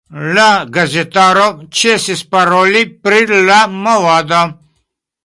La gazetaro ĉesis paroli pri la movado.